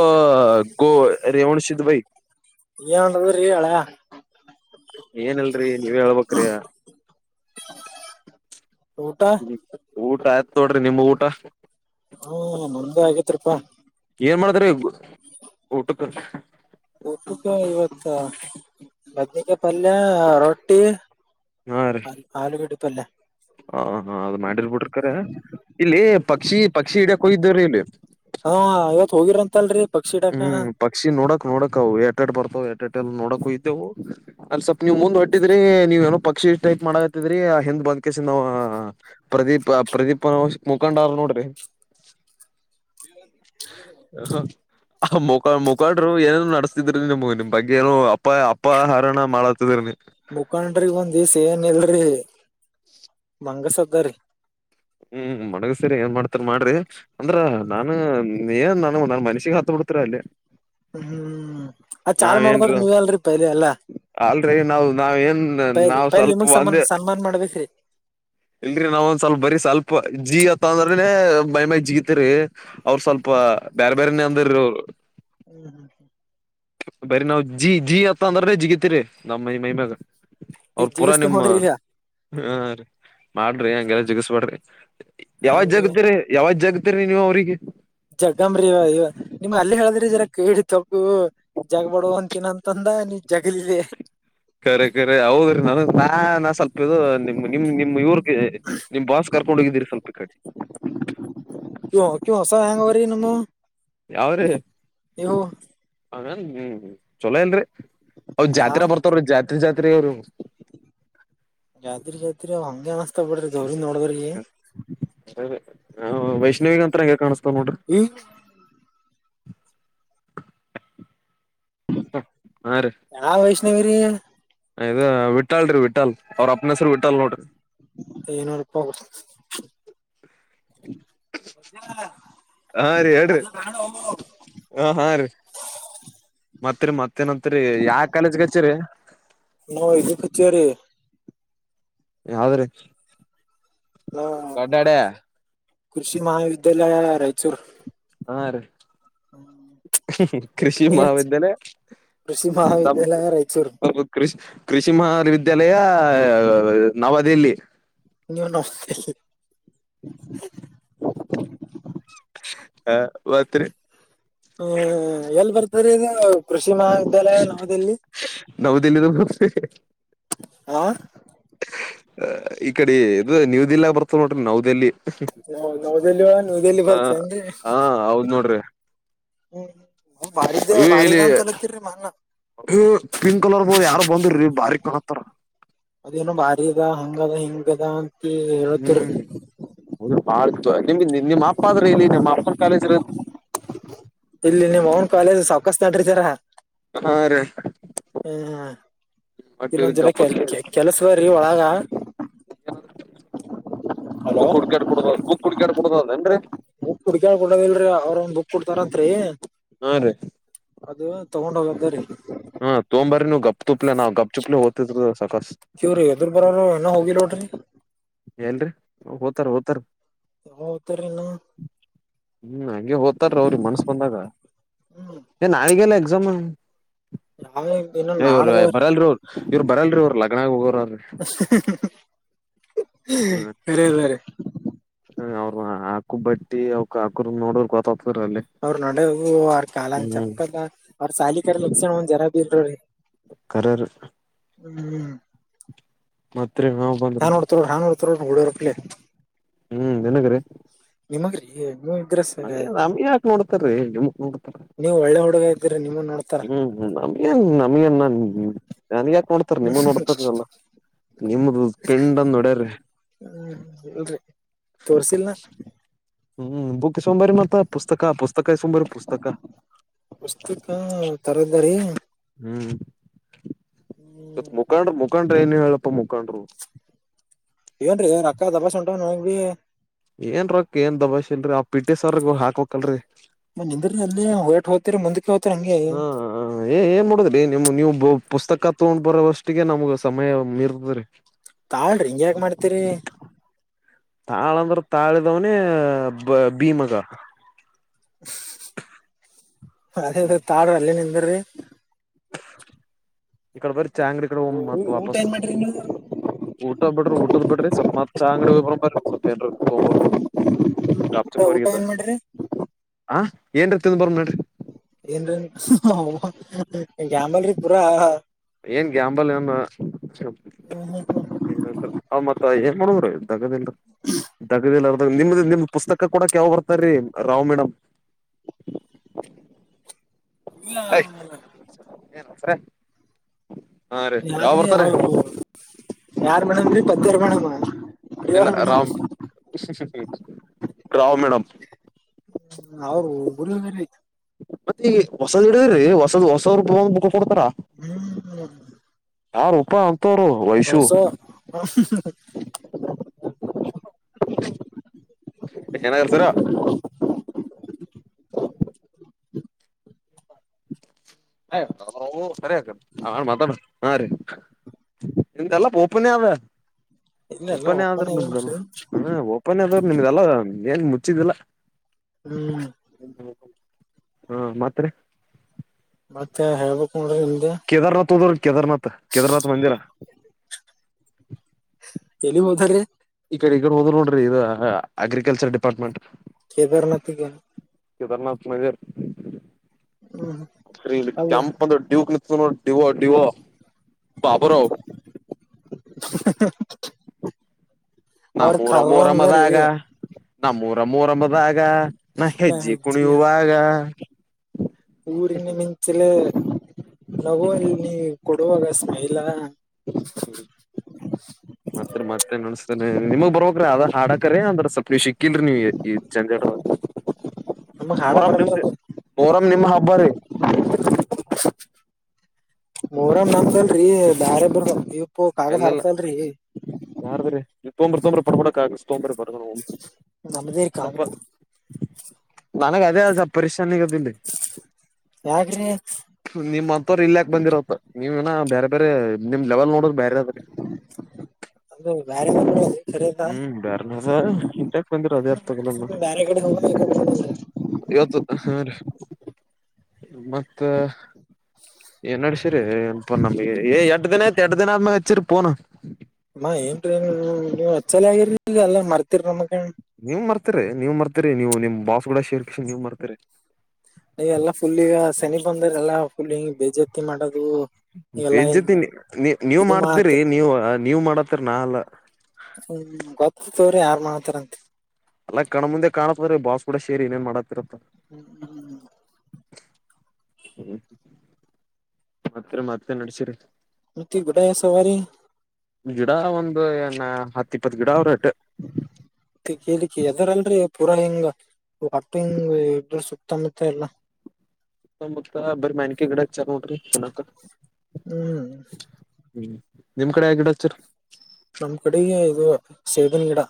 ಹ ಗೋ ರೇವಣ ಸಿದ್ ಭೈ. ಏನ್ ನಡದದ್ರಿ ಅಳ್ಯಾ ಏನಲ್ರಿ ನೀವೇ ಹೇಳ್ಬೇಕ್ರಿ. ಊಟ ಊಟ ಆಯ್ತ್ ನೋಡ್ರಿ ನಿಮ್ ಊಟ. ದು ಅಗೆತ್ರಿಪ. ಏನ್ ಮಾಡತ್ರಿ ಊಟಕ. ಊಟಕ ಇವತ್ತ ಬದ್ನಿಕಾಯ್ ಪಲ್ಯ ರೊಟ್ಟಿ. ಹಾ ರೀ ಅ ಆಲುಗೆಡ್ಡೆ ಪಲ್ ಹ ಹಾ ಅದ್ ಮಾಡಿರ್ಬಿಟ್ರ ಕರೆ ಇಲ್ಲಿ ಪಕ್ಷಿ ಪಕ್ಷಿ ಇಡ್ಯ ಕೊಗಿದ್ಯರ್ ಇಲ್ಲಿ. ಹಾ ಇವತ್ ಹೋಗಿರಂತಲ್ರಿ. ಪಕ್ಷಿ ಹಿಡಾಕ ಹ್ಮ್ ಪಕ್ಷಿ ನೋಡಕ್ ನೋಡಕವ್ಯ. ಟೆಟ್ ಬರ್ತವೆ ಎಟೆಟ್ ಏನ್ ನೋಡಕ್ ಹೋಗಿದ್ದೆವು ಅಲ್ ಸ್ವಪ್ ನೀವ್ ಮುಂದ್ ಹೊಟ್ಟಿದ್ರಿ ನೀವ್ ಏನೋ ಪಕ್ಷಿ ಟೈಪ್ ಮಾಡ ದ್ರಿ ಆ ಹಿಂದ್ ಬಂದ್ಕೆಸಿಂದವ ಪ್ರದೀಪ ಪ್ರದೀಪ್ನ ಮುಖಂಡವ್ ನೋಡ್ರಿ. [unintelligible] ಇಬ್ರ [unintelligible] ಆ ಮುಾ ಮುಖಾಳರು ಏನೇನು ನಡೆಸ್ತಿದ್ರಿ ನಿಮ್ಗ್ ನಿಮ್ ಬಗ್ಗೆ ಏನು ಅಪ್ಪ ಅಪ್ಪಹರಣ ಮಾಡತಿದ್ರನ ಮುಖಂಡ್ರಿ ಒಂದ್ ದಿವಸ ಏನ್ ಇಲ್ರಿ ಮಂಗಸ್ದಾರಿಿ ಹ್ಮ್ ಮಡಗ ಸೇರಿ ಏನ್ ಮಾಡ್ತಾರ ಮಾಡ್ರಿ ಅಂದ್ರ ನಾನ [unintelligible] ನೀ ನಾನು ಮನುಷಿಗೆ ಹತಪಡ್ತರ ಅಲ್ಲೇ ಹ್ಮ್ ಅದ ಚಾಲ್ ಮಾಡ್ದ್ರ ನೀವ ಅಲ್ರರಿ ಪಲಿ ಎಲ್ಲಾ ನಾವವು ನಾವ್ ಏನ್ ಪೈಲ್ ನಾವ್ ಪೈಲ್ ಸ್ವಲ್ಪ ನಿಮಗ್ ಸನ್ಮಾನ್ ಬಂದೆ [inaudible] ಸನ್ಮಾನ ಮಾಡ್ಬೇಕ್ರಿ ಇಲ್ರರಿ ನಾವೊಂದ್ ಸ್ವಲ್ಪ ಬರೀ ಸ್ವಲ್ಪ ಜಿತ್ತ ಅಂದ್ರನೇ ಮೈ ಮೈ ಜಿಗತಿರಿ ಅವ್ರ ಸ್ವಲ್ಪ ಬೇರೆ ಬೇರೆನ್ನೆ ಅಂತ ಹ್ಮ್ ಹ್ಮ್ ಬರಿ ನಾವ್ ಜೀ ಜಿ ಅತ್ತ ಅಂದ್ರೇ ಜಿಗತಿೀರಿ ನಮ್ಮ ಮೈಮ್ಯಾಗ ಈಗ ಅವ್ರ ಪೂರಾ ಜಿಗಸ್ತೀನ್ ನಿಮ್ಮ ನೋಡ್ರಿ ಈಗ ಹ ರೀ ಮಾಡ್ರಿ ಹಂಗೆಲ್ಲ ಜಿಗಸ್ಬೇಡ್ರಿ ಯಾವಾಗ್ ಹಂಗ್ರಿ ಜಾಗತಿರಿ ಯಾವಾಜ್ ಜಾಗತರಿೀ ನೀವು ಅವ್ರಿಗೆ ಜಗ್ಗಂಬ್ರೀವ ಇ ನಿಮ್ ಅಲ್ಲಿ ಹೇಳಿದ್ರಿ ಜರ ಕೇಳಿ ತಗು ಜಗ್ ಬಡ ಅಂತಿನಂತಂದ ನೀ ಜಗಳಲದೆ [unintelligible] ಕರೆ ಕರೆ ಹೌದ್ರಿ ನನ್ ನಾ ನಾ ಸ್ವಲ್ಪ ಇದು ನಿಮ ನಿಮ್ ನಿಮ್ ಇವ್ರಗೆ ನಿಮ್ ಬಾಸ್ಕ [unintelligible] ಕರ್ೊಂಡ ಹೋಗಿದ್ದೀರಿ ಸ್ವಲ್ಪ ಕಡಿ [unintelligible] ಕ ಕ ಹೊಸ ಹ್ಯಾಂಗ ಬರನ [unintelligible] ಯಾವ್ರೀ ಅವನ್ ಹ್ಮ ಚೊಲೋ ಇಲ್ರಿ ಅವ ಆ ಜಾತ್ರೆಾ ಬರ್ತಾವ ರೀ ಜಾತ್ರೆ ಜಾತ್ರೆರು ಇ ಬಿಡ್ರಿ ದೌ್ರ ನೋಡಿದ್ರ [unintelligible] ಸರಿಾ ವೈಷ್ಣವ ಅಂತತ್ರ ಹೆಂಗಗೆ ಕಾಣಸ್ತಾವ ನೋಡ್ರಿ ಈ ಹ ಹ ರ ೇವ್ರ [unintelligible] ಅಯ್ ವಿಟ್ಟಾಲ್ಿ ವಿಟ್ಟಾಲ್ ಅವ್ರ ಅಪ್ನ ಹೆಸರು ವಿಟ್ಟಲ್ ನೋಡ್ರಿ ಇಏನೂರುಪ್ಪ [unintelligible] ಬು ನಾಣ ಹಾ ರೀ ಹ ಹೇಳ್ರಿ [unintelligible] ಹಾ ರೀ ಹ [unintelligible] ಮತ್ರಿ ಮತ್ತೇನತ್ರಿ ಯಾವ ಕಾಲೇಜ್ಗೆ ಹಚ್ಚರಿ ನಾವ್ ಇದಕ್ ಹಚ್ಚೇವ್ರಿ ಯಾವದ್ರೀ ಹ ಕೃಷಿ ಮಹಾವಿದ್ಯಾಲಯ ರಾಯಚೂರ್ ಹಾ ರೀ ಹ್ಮ [unintelligible] ಕೃಷಿ ಮಹಾವಿದ್ಯಾಲಯ ಕೃಷಿ ನ ಮಹಾವಿದ್ಯಾಲಯ ರಾಯಚೂರ್ ಕೃಷಿ [unintelligible] ಕೃಷಿ ಮಹಾರ ವಿದ್ಯಾಲಯ ನವದೆಹಲಿ ನೀ ನ [unintelligible] ಹ ಓಕೆ ರೀ ಹ್ಮ ಎಲ್ಲಿ ಬರ್ತಾರೆಶ್ ಎಲ್ಲಿ ಬರ್ತಾರೀ ಕೃಷಿ ಮಹಾವಿದ್ಯಾಲಯ ನವೋದಯ ನವದೆಲ್ಲಿದ ಬರ್ತ್ರಿ ಹ [inaudible] ಈ ಕಡೆ ಇದು ನೀವು್ದಲ್ಲ ಬರ್ತ ನೋಟ್ರಿ ನವವುದೆಲ್ಲಿ ನ ನದೆಲ್ಲಿ ನವದೆಲ್ಲಿ ಬರ್ತನ್ರಿ ಹಾ ಹೌದ್ ನೋಡ್ರಿ ಹ್ಮ್ ಹ ಬಾರಿದ ಅಯ್ಯೋ ಬಾರಿದ ಇಲ್ಲಿ ಅಂತಲತ್ತರಿೀ ಮಲ್ [unintelligible] ಪಿಂಕ್ ಕಲರ್ ಬ ಯಾರು ಬಂದ್ರೀ ಬಾರಿ ಕತ್ತಾರ ಅದೇನೋ ಬಾರಿ ಅದ ಹಂಗ ಅದ ಹಿಂಗದ ಅಂತ ಹ್ಮ್ ಹೇಳತಿರಿ [unintelligible] ಹೌದು ಬಾಳ ನಿಮ ನಿಮ್ಮ ಅಪ್ಪ ಆದ್ರೆ ಇಲ್ಲಿ ನಿಮ್ಮ ಅಪ್ಪನ ಕಾಲೇಜ್ರ [inaudible] ಇಲ್ಲಿ ನಿಮ್ ಅವ್ನ್ ಕಾಲೇಜ್ ಸೌಕಸ್ ನಟ್ರತೀರ ಆ ಇನ್ನೊಂದ್ ದಿನ ಕೆ ಕೆಲ್ಸವ್ರಿ ಒಳಗ ಹಲೋ ಬುಕ್ ಕುಡ್ಕಾಡ್ ಕುಡುದ ಬುಕ್ ಕುುಡುಕಾಡ್ ಕುಡುದದೇನ್ರರಿ [inaudible] ಬುಕ್ ಕುಡ್ಕೇಳ್ಕ ಕೊೊಂಡೋದಿಲ್ರಿ ಅವ್ರ ಒಂದ್ ಬುಕ್ ಕು ಕೊಡ್ತಾರಂತ್ರಿ [inaudible] ಹಾ ರೀ ಅದು ತಗೊಂಡ್ ಹೋಗ್ದ ರೀ ಹಾ್ ತೋಂಬರಿ ನೀವು ಗಪ್ ತುಪ್ಲೆ ನಾವು ಗಪ್ುಪ್ಲೆ ಹ್ತಿದ್ರ ಸಾಕಷ್ಟು ಕವ್ರ ಎದ್ರರು ಬರಾರ ಏನ ಹೋಗಿ ಲೋಡ್ರಿ ಏಲ್ರರಿ ಹಓ್ತಾರ ಓ್ತಾರ ಹೊ ಉತರನ ಹ್ಮ್ ಹಂಗೆ ಹಓ್ತಾರ ಅವ್ರಿಗೆ ಮನ್ಸ್ಕ ಬಂದಾಗ ಹ್ಮ್ ಏ ನಾಳಿಗೆಲ್ಲ ಎಕ್ಸಾಮ್ ಯಾವ ಇನ್ನು ಏ ಇವ್ರ ನಾಡ್ದವ್ರಿ ಬರಲ್ೀ ಇವ್ರು ಬರಲ್ರಿ ಇ್ರ ಲಗ್ನಗ ಹೋಗರ್ರೀ ಖರ ಬಾರೆ ಅವ್ರ ಹಾಕ ಬಟ್ಟಿ ಅವ ಹಕರ್ ನೋಡ್ರ ಗೊತ್ತ ಅವ್ರ ನೋಡ ಅವ್ರ ಕಾಲನ್ ಹ್ಮ್ ಚಪ್ಪಲ್ಲ ಅವ್ರ ಸಾಲಿ ಕ ಲಕ್ಷಣ ಒಂದ್ ಜರ ಬ್ರೀ ಕಾರ ಹ್ಮ್ ಮ ನಾನ್ ನೋಡ್ತಾರೋ ನಾನ್ ನೋಡ್ತಾರೋ ಹುಡರಪ್ೇ ಹ್ಮ್ ನಿನಕ್ಕ್ರೆ ನಗ್ರಿ ನೀವ್ ಇದ್ರ ನಮ್ಗೆ ಯಾಕ್ ನೋಡ್ತಾರೀ ನಿಮಗ್ ನೋಡ್ತಾರ ನೀವು ಒಳ್ಳೆ ಹುಡುಗ ಆಯ್ತ ಹ್ಮ್ ನಮಗೇನ್ ನಮಗ ನ್ ನಾ ನನ್ ಯಾಕ ನೋಡ್ತಾರ ನಿವುೂ ನೋಡ್ತಾರಲ್ಲ ನಿಮ್ದ ಪಿಂಡಂದ ಒಡ್ರರಿ ತೋರ್ಸ ನ ಹ್ಮ್ ಬುಕ್ ಸೋಂಬರಿ ಮತ್ತ ಪುಸ್ತಕ ಪುಸ್ತ ಪುಸ್ತಕ ಸಂಬರ ಪುಸ್ತಕ ಪುಸ್ತಕ ತರದರಿ ಹ್ಮ್ ಹ್ಮ್ ಮುಖಂಡ್ರ ಮುಖಂಡ್ರ ಏನು ಹೇಳಪ್ಪ ಮು ಏನ್ ರೀ ರಕ್ಕ ದಬಾಸ ಉಂಟ ನೋಂಗಿ ಏನ್ ರೊಕ್ ಏನ್ ದಬಾ್ ಇಲ್ರರಿ ಆ ಪಿಟ್ಟಿ ಸರ್್ರ ಹಾಕ್ೋಕಲ್ರರಿ ಮ ನಿಂದ್ರ ಅಲ್ಲಿ ಹೊಯಟ್ ಹೋಗ್ತರಿ ಮುಂದಕ್ಕೆ ಹೋಗ್ತರಿ ಹಂಗಗೆಯ್ಯ ಹಾ ಏ ಏನ್ ಮಾಡಡುದ್ರಿ ನಿಮ ನೀವು ಪುಸ್ತಕ ತಗೊಂಡ್ ಬರೋವಷ್ಟಿಗೆ ನಮಗ ಸಮಯ ಮೀರ್ತ್ರರಿ ತಾಳ್ರಿ ಹಿಂಗ ಯಕ ಮಾಡ್ತೀರಿ ತಾಳಂದ್ರ ತಾಳಿದವನೇ ಬ ಭೀಮಗ ಅದೇ ತಾಡ ಅಲ್ಲಿ ನಿ್ದರಿ ಇಕಡೆ ಬರ ಚಾಂಗ್್ರ ಕಡೆ ಹ ಊ ಮತ್ ಊಟ ವಾಪಸ್ ಏನ್ ಮಾಡ್ರಿ ನೀವು ಊಟದ ಬಿಡ್ರಿ ಊಟದ್ ಬಿಡ್ರಿ ಸತ್ ಅಂಗಡಿ ಹಸೆಟ ತೊಂಬೂರ ಊಟ ಆಾಪ್ಚಪ್ಪರಿಗೆಂತ ಏನ್ ಮಾಡ್ರಿ ಹ ಏನ್ರ ತಿಿಂದ್ ಬರ ನಡರಿ ಏನ್ರನ್ ಜಂಬಲ್ರಿೀ ಪೂರಾ ಏನ್ ಗಂಬಲ್ ನ್ ಏ ಮತ್ತ ಏನ್ ಮಾಡ ಗದಲ್ ದಗದಲ್ ನಿಮ್ದ ನಿಮ್ದ್ ಪುಸ್ತಕ ಕೂಡ ಕೆ ಯಾವ ಬರ್ತಾರೀ ರಾವ್ ಮೇಡಮ್ ಇಲ್ಲ ಅವ ಏಯ್ ಏನ್ ಹಾ ರೀ ಯಾವ್ ಯಾರ್ರೀ ಬರ್ತಾರ ಅವರು ಯಾರ್ ಮೇಣಂಗ್ರೀ ಪತ್ತರ್ ಮೇಣ ಇಲ್ಲ ರಾಮ್ ರಾಮ್ ಮೇಡಮ್ ಅವರು ಉುರಿ ಬೇರೆ ಆಯ್ತು ಮತ್ತೆ ಈಗ ಹೊಸದ್ ಹಿಡಿದ್ರಿ ಹೊಸದ್ ಹೊಸವರು ಹ್ಮ್ ಆ ರೂಪ ಹೌ ಸೊ ಏನಾಗನ್ಸರಾ ಹ ಸರಿ ಹಕ ಅವಾ ಮಾತಾಡ ಹಾ ರೀ ನಿಮ್ದಲ್ಲ ಓಪನ್ೇ ಅವ ಇಲ್ಲ ಎಲ್ಲ ಓಪನ್ೇ ಒಪ್ಪನ ಆದ್ರ ನಮಗೆಲ್ಲ ಏನ್ರಿ ಹ ಓಪನ್ ಆದ್ರ ನಿಮ್ದಲ್ಲ ಏನ್ ಮುಚ್ಚಿದಿಲ್ಲ ಹ್ಮ್ ಹಾ ಮಾತ್ರ ಮತ್ತೆ ಹೇಬು ಕಡ ಕೇದಾರ್ನಾಥ್ ಹದ್ರ ಕೇದಾರ್ನಾಥ್ ಕೇದಾರ್ನಾಥ್ ಮಂದಿರ ಎಲ್ಲಿ ಹೋದ್ರೀ ಈ ಕಡೆ ಈಡೆ ಹೋ ನೋಡ್ರಿ ಇದು ಅಗ್ರಿಕಲ್ಚರ್ ಡಿಪಾರ್ಟ್ಮೆಂಟ್ ಕೇದಾರನಾಥಗೆ ಕದಾರ್ನಾಥ ನರ್ ಹ್ಮ್ ಅದು ಕೆಂಪ ಡ ಕ ನೋ ದವೋ ದಡಿವ ಬಾಪರ [inaudible] ಅವ್ರ ನಾೂರ ಮೂೂರಮ್ಮದ ಕರ್ರದರಿ ಆಗ ನಮ್ಮ್ ಊರ ರಮ್ಮದಾಗ ನಾ ಹೆಜ್ಜಿ ಕುಣಿಯುವಾಗ ಊರಿನ ಮಿಂಚೆಲೆ ನಗೋ ಇಲ್ಲಿ ನೀ ಕೊಡುವಾಗ ಸ್ಮೈಲ್ [inaudible] ಮತ್ತತ್ ಮತ್ತೇನ್ ನೋಸಸ್ತೇನೆ ನಿಮಗ್ ಬರ್ಬ್ರೀ ಅದ ಹಾಕ್ರೀ ಅಂದ್ರೆ ಸ್ವಲ್ಪ ನೀ ಸಿಕ್ಕಿಲ್ರಿ ನೀ ಈ ಜಂಜಾಟ [inaudible] ನಮಗ್ ಹಾಡ ಬರಲ್ ಮೊರಂ ನಿಮ್ ಹಬ್ಬ ರೀ ಮೂರಮ್ಮ ನಮಲ್ರರಿ ಬ್ಯಾರೆಬ್ ಬರ್ ಬತಿವಿ ಇಲ್ಲೆಲ್ಲ ಯಾರು ಬ್ರೀ ಇ ತೊಂಬ್ರ ತೊಂಬ್ರಿ ಪಬಡಕ್ ತೊಂಬ್ರ ಬರ್ ನಮ್ಮದೇಕ ಆಗದ ನನಗ ಅದೇ ಅಸ ಪರಿಶನ್ಗದಲ್ಲಿ ಯಾಕ್ರಿ ನಿಮ್ ಅಂತವರು ಇಲ್ಯಕ್ ಬಂದಿರತ್ತ ನೀವ್ನ ಬೇರೆ ಬೇರೆ ನಿಮ್ ಲೆವೆಲ್ ನೋಡ ಬೇರೆ ಅದ್ರಿ ಅದು ಬಾರಿ ಹ್ಮ್ ಬೇರನ ಇಟಕ್ ಬಂದಿರ ಅದೇರ್ಥಗಲ್ಲ ಬ್ಯಾರೆ ಕಡೆ ಹೋಗ ಇವತ್ತು ಹಾ ರೀ ಮತ್ತ ಏನ್ಡಸ ನಮ ಎಡು ದಿನ ಎಡು ದಿನ ಆದಚ್ಚ ಪೋನ ಅ ಏನ್ರಿ ನೀವು ಅಚ್ಚಲ ಆಗಿರರಿ ಈಗ ಎಲ್ಲ ಮರ್ತರ ನಮಗ್ ನೀವ್ ಮರ್ತರಿ ನೀವ್ ಮರ್ತರಿ ನೀವು ನಿಮ್ ಬಾಸ್ ಕೂಡ ಶೇರ್ ಈಲ್ಲಾ ಫುಲ್ ಈಗ ಶನಿ ಬಂದರೆ ಎಲ್ಲಾ ಫುಲ್ ಹಿಂಗ ಬೇಜಾತಿ ಮಾಡದು ಬೇಜ್ಜತಿ ನೀ ನೀವ್ ಇದು ಮಾಡ್ತೀರಿ ಮಾಡತ್ತರಿ ನೀವು ನೀವ್ ಮಾಡತ್ತರಿ ನಾಲ್ಲ ಹ್ಮ್ ಗೊತ್ತ ತವ್ರ [unintelligible] ಮಾಡ್ತಾರಂತೆ ಅಲ್ಲ ಕಣ ಮುಂದೆ ಕಾಣತ್ವ್ರ ಬಾಸ್ ಕೂಡ ಸೇರಿ ಏನ್ ಮಾಡಾತ್ತತಿರತ್ತ ಹ್ಮ್ ಹ್ಮ ಹ್ಮ್ ಹ್ಮ ಮತ್ತ ಮತ್ತೆ ನಡ್ಸಿರ ಮತ್ತ ಗುಡ ಸವಾರಿ ಗಿಡ ಒಂದು ಏನ ಹತ್ತ ಇಪ್ಪತ್ ಗಿಡ ಅವ್ರ ಅಟ್ಟ ಮತ್ತೆ ಕೇಳ್ಕ್ಕೆ ಯದಾರಲ್ರಿ ಪೂರಾ ಹಿಂಗ ಒಟ್ಟು ಹಿಂಗ ಇದರು ಸಕ್ತಂಬತ ಇಲ್ಲ ಮುತ ಬರ ಮ್ಯಾನ್ಕಿ ಗಿಡ ಚಾರ್ ನೋಡ್ರಿ ಚೆನ್ನಕ ಹ್ಮ್ ನಿಮ್ ಕಡೆ ಆಗಿಡಚರ್ ನಮ್ ಕಡೆಗೆ ಇದು ಸೇವನೆ ಗಿಡ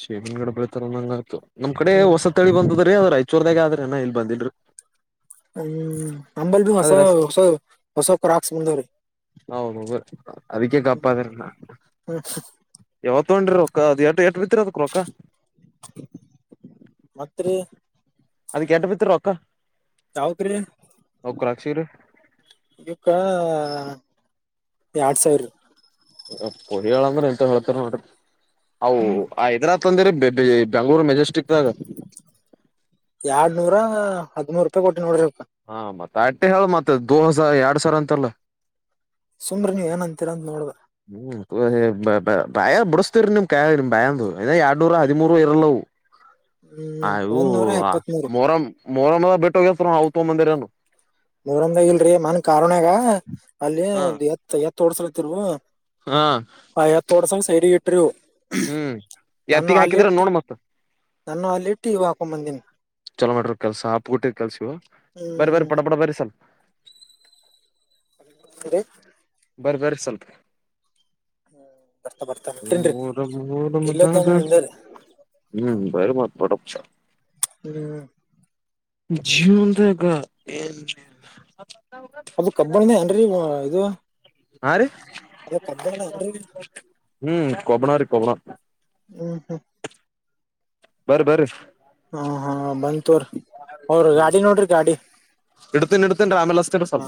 ಶೇಮನ್ಗಡೆ ಬೆಳತಾರ ನಂಗ ಆ್ತ ನಮ್ ಕಡೆ ಹ್ಮ್ ಹೊಸ ತಳಿ ಬಂದದ ದ್ರ ಐರ್ದಾಗ ಆದ್ರೆಏನ ಇಲ್ ಬಂದಿಲ್ರು ಹ್ಮ್ ನಂಬಲ್ ಭ ಹೊಸ ಹೆಸರು ಹೊಸ ಹೊಸ ಕ್ರಾಕ್ಸ್ ಬಂದವ್ರಿ ಹೌದು ಅದಕ್ಕೆ ಕಪ್ಪದ ಹ್ಮ್ ಯತ್ತು ತೊಡ್ರ ರ ಅದು ಎ ಎ ಎತ್ರದು ಕೊಕ್ಕ ಮತ್ರಿ ಅದ ಎಂಟ ಬಿತ್ರ ರೊಕ್ಕ ಯಾವಕ್ರೀ ಅವ್ ಕ್ರಾಕ್ಷಿರಿ ಇವಕ್ಕ ಎರಡ್ ಸಾವಿರ ಪೋಡಿಯಾಲ್ ಹೆಂತವ್ ಹೇಳ್ತಾರ ನೋಡಿ ಅವು ಹ್ಮ್ ಯೆದ್ರ ತೊಂದರೆ ಬೇಬಿ ಬೆಂಗಳುರ ಮಜೆಸ್ ಎರಡ್ನೂರ ಹದ್ಮೂರು ರೂಪಾಯಿ ಕೊಟ್ಟ ನೋಡ್ರಿ ಸ್ವಲ್ಪ ಹಾ ಮತ್ತ ಅಟ್ಟೆ ಹೇಳ ಮತ್ತ ದೋ ಎರಡ್ ಸಾವಿ ಅಂತಲ್ಲ ಸುಮ್ರಿ ನೀವ್ ಏನ ಅಂತೀರ ಅಂತ ನೋಡ್ರ ಹ್ಮ ಭಾಯ ಬಿಡಸ್ತೇವರಿ ನಿಮ್ ಕೈಯಾಗ ನಿಮ್ ಭಾಯಂದು ಎರಡ್ನೂರ ಹದಿಮೂರು ಇರಲ್ಲವು ಹ್ಮ್ ಅಯವು ಒಂದ್ ನೂರ ಎಪ್ಪತ್ ಮೂರು ಮೊರಂ್ ಮೊರಮ್ಮದ ಬಿಟ್ಟ ಹೋಗಸ್ರು ಹವು ತ ಮಂದಿರನು ಮೋರಂದಾಗ ಇಲ್ರಿ ಮನ್ ಕಾರುಣ್ಯಾಗ ಅಲ್ಲಿ ಹಾ ಎತ್ ಎತ್ ಓಡ್ಸಲತಿರ್ವು ಆ ಯತ ಒಡಸ ಸೈದಿಗ ಇಟ್ಟರು ಇವು ಹ್ಮ್ ಯತ್ತಗ ಹಾಕಿದ್ರ ನೋಡ್ ಮತ್ ನಾನ ಅಲ್ಲಿ ಇಟ್ಟು ಈ ಹಾಕೊ್ ಬಂದೀಿನಿ ಚಲೋ ಮಾಡಟ್ರ ಕೆಲ್ಸ ಹಪ್ ಗಟ್ಟಿರ್ ಕೆಲ್ಸಿವವು ಬರರಿ ಹ್ಮ್ ಬರರಿ ಪಟ ಪಡ ಬರರಿ ಸಲ್ ಸರಿ ಬರ ಬರಿ ಸ್ವಲ್ಪ ಬರ್ತಾ ಬರ್ತಾ ಹೊಂಟೇನ್ರಿ ನಮೂರ ಮೋಹರಮದಾಗ್ ಇಲ್ಲದಾನು ಹಿಂದೆ ಹ್ ಬರೀ ಮಾತ ಪ್ಪೋಡಪ ಹ್ಮ್ ಜೀವನದಾಗ ಎನ್ ಅದು ಕಬ್ಬಳನೇ ಏನ್ರಿ ಇದು ಹಾ ರೀ ಅದು ಕಬ್ಬಣದ ಏನ್ರಿ ಹ್ಮ್ ಕೊಬಣ ರೀ ಕೊಬ್ಬಣ ಹ್ಮ ಹ ಬರಿ ಬರಿ ಹ ಹಾ ಬಂತತೋರ್ ಅವ್ರ ಗಾಡಿ ನೋಡ್ರಿ ಗಾಡಿ ಎಡ್ತನ ಇಡತನ್ ಆಮ್ಯಲ್ ಹಚಟಿನ್ರಿ ಸ್ವ ಹಾ